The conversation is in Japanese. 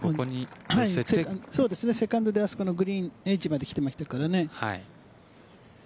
セカンドであそこのグリーンエッジまで来てますからね。